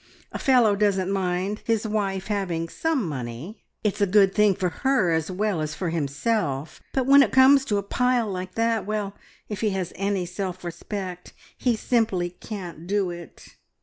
A fellow doesn't mind his wife having some money it's a good thing for her as well as for himself but when it comes to a pile like that well, if he has any self respect, he simply can't do it!"